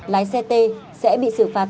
lái xe t sẽ bị xử phạt